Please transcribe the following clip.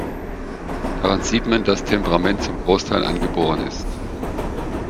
Daran sieht man, dass Temperament zum Großteil angeboren ist.